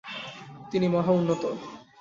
তিনি মহা উন্নত।